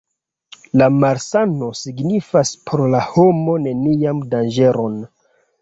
La malsano signifas por la homo nenian danĝeron.